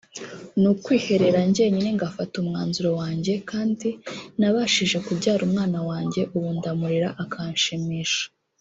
ni ukwiherera njyenyine ngafata umwanzuro wanjye kandi nabashije kubyara umwana wanjye ubu ndamureba akanshimisha